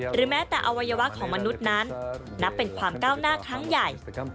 แม้แต่อวัยวะของมนุษย์นั้นนับเป็นความก้าวหน้าครั้งใหญ่